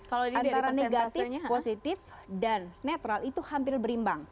antara negatif positif dan netral itu hampir berimbang